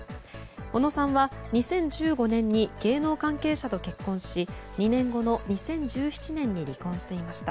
尾野さんは２０１５年に芸能関係者と結婚し２年後の２０１７年に離婚していました。